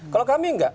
kalau kami nggak